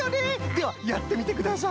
ではやってみてください。